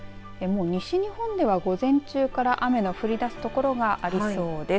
西日本では午前中から雨の降りだす所がありそうです。